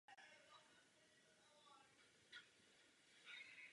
V jihovýchodním rohu se nachází výběh jelenů.